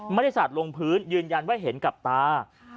บริษัทลงพื้นยืนยันว่าเห็นกับตา